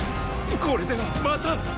これではまた！